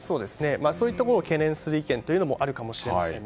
そういったことを懸念する意見もあるかもしれません。